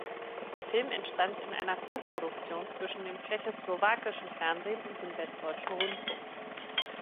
Der Film entstand in einer Co-Produktion zwischen dem tschechoslowakischen Fernsehen und dem Westdeutschen Rundfunk.